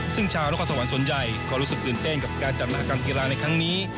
ซึ่งชาวนครสวรรค์ส่วนใหญ่ก็รู้สึกตื่นเต้นกับการจัดมหากรรมกีฬาในครั้งนี้